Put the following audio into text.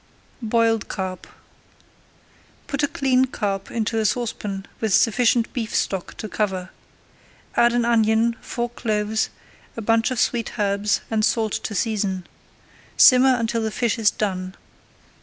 BOILED CARP Put a cleaned carp into a saucepan with [Page 83] sufficient beef stock to cover. Add an onion, four cloves, a bunch of sweet herbs, and salt to season. Simmer until the fish is done.